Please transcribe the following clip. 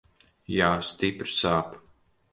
Jā, stipri sāp.